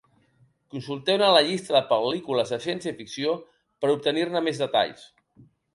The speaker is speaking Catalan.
Consulteu-ne la llista de pel·lícules de ciència-ficció per obtenir més detalls.